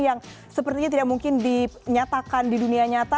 yang sepertinya tidak mungkin dinyatakan di dunia nyata